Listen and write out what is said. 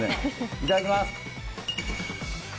いただきます。